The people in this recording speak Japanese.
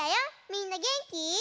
みんなげんき？